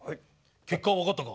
結果は分かったか？